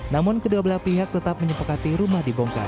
namun kedua belah pihak tetap menyepakati rumah dibongkar